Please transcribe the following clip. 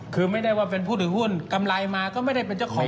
คือไม่ได้ว่าเป็นผู้ถือหุ้นกำไรมาก็ไม่ได้เป็นเจ้าของ